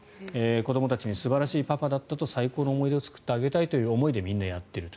子どもたちに素晴らしいパパだったと最高の思い出を作ってあげたいという思いでみんなやっていると。